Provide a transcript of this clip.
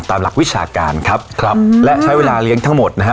หลักวิชาการครับครับและใช้เวลาเลี้ยงทั้งหมดนะฮะ